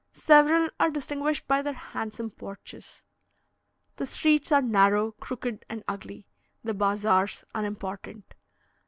Several are distinguished by their handsome porches. The streets are narrow, crooked, and ugly; the bazaars unimportant.